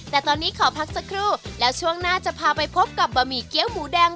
แต่ตอนนี้ขอพักสักครู่แล้วช่วงหน้าจะพาไปพบกับบะหมี่เกี้ยวหมูแดง